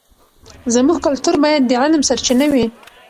زموږ کلتور باید د علم سرچینه وي.